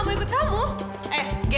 cepetan ikut gue